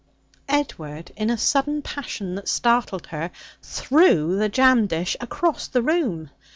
Edward, in a sudden passion that startled her, threw the jam dish across the room.